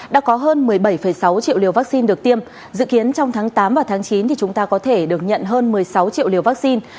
đã có hơn một mươi bảy sáu triệu liều vaccine được tiêm dự kiến trong tháng tám và tháng chín thì chúng ta có thể được nhận hơn một mươi sáu triệu liều vaccine